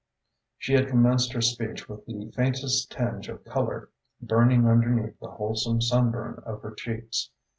She had commenced her speech with the faintest tinge of colour burning underneath the wholesome sunburn of her cheeks.